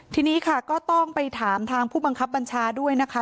ทีนี้ค่ะก็ต้องไปถามทางผู้บังคับบัญชาด้วยนะคะ